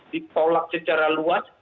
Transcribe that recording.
ditolak secara luas